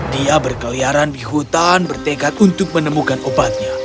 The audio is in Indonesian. dia berkeliaran di hutan bertekad untuk menemukan obatnya